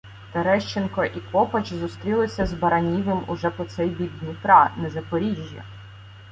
Терещенко і Копач зустрілися з Баранівим уже по цей бік Дніпра, на Запорожжі.